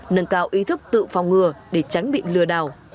nâng cao ý thức tự phòng ngừa để tránh bị lừa đảo